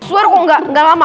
swer kok gak gak lama